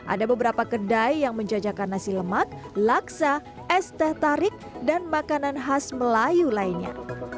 ada beberapa kedai yang menjajakan nasi lemak laksa es teh tarik dan makanan khas melayu lainnya